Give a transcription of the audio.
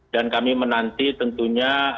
dan kami menanti tentunya